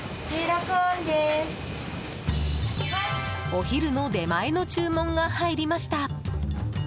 お昼の出前の注文が入りました。